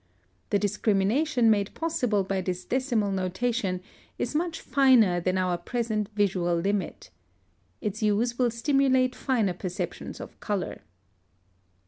The discrimination made possible by this decimal notation is much finer than our present visual limit. Its use will stimulate finer perception of color.